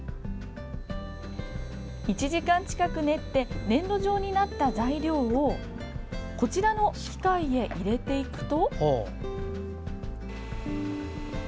１時間近く練って粘土状になった材料をこちらの機械へ入れていくと。